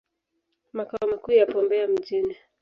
Makao makuu yapo Mbeya mjini.